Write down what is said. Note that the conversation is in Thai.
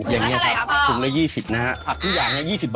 อย่างนี้ครับถุงได้๒๐นะครับทุกอย่าง๒๐บาทครับพ่อ